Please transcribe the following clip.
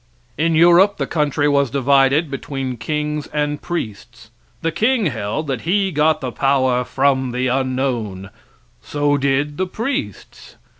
In Europe the country was divided between kings and priests. The king held that he got the power from the unknown; so did the priests.